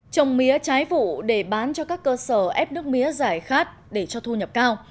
trồng mía trái vụ để bán cho các cơ sở ép nước mía giải khát để cho thu nhập cao